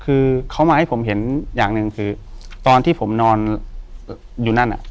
คือเขามาให้ผมเห็นอย่างหนึ่งคือตอนที่ผมนอนอยู่นั่นอ่ะ